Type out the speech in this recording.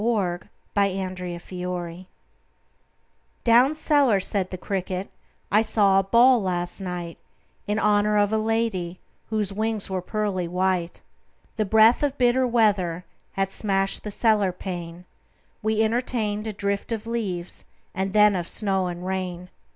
The Potato's Dance "Down cellar," said the cricket, "I saw a ball last night In honor of a lady Whose wings were pearly white. The breath of bitter weather Had smashed the cellar pane: We entertained a drift of leaves And then of snow and rain.